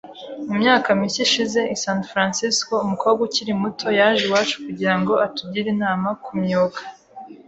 Mu myaka mike ishize, i San Francisco, umukobwa ukiri muto yaje iwacu kugira ngo atugire inama ku myug